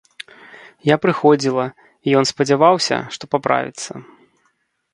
Я прыходзіла, і ён спадзяваўся, што паправіцца.